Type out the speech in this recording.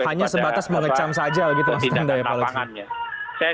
hanya sebatas mengecam saja gitu maksud anda ya pak lestri